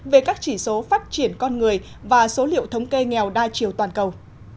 về các chỉ số phát triển con người và số liệu thống kê nghèo đa chiều toàn cầu